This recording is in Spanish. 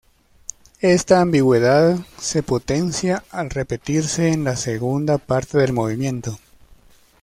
Está ambigüedad se potencia al repetirse en la segunda parte del movimiento.